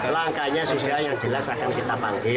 langkahnya sudah yang jelas akan kita panggil